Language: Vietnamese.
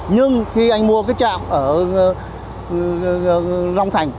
nhưng khi anh mua cái trạm ở long thành